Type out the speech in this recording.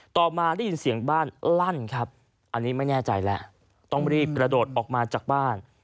ต่อมาได้ยินเสียงบ้านลั่นครับอันนี้ไม่แน่ใจแล้วต้องรีบกระโดดออกมาจากบ้าน